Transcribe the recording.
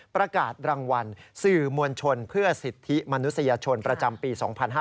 ประกาศรางวัลสื่อมวลชนเพื่อสิทธิมนุษยชนประจำปี๒๕๕๙